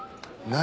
何？